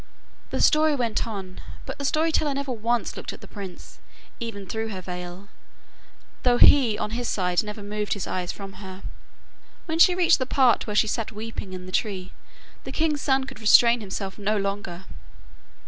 The story went on, but the story teller never once looked at the prince, even through her veil, though he on his side never moved his eyes from her. When she reached the part where she had sat weeping in the tree, the king's son could restrain himself no longer.